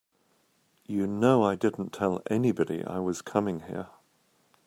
You know I didn't tell anybody I was coming here.